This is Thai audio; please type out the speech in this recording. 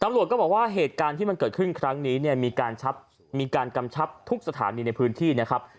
ตำลวชก็บอกว่าเหตุการณ์ที่เกิดขึ้นครั้งนี้